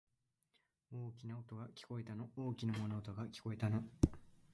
大きな音が、聞こえたの。大きな物音が、聞こえたの。